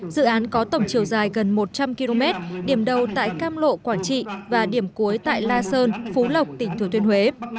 dự án có tổng chiều dài gần một trăm linh km điểm đầu tại cam lộ quảng trị và điểm cuối tại la sơn phú lộc tỉnh thừa thiên huế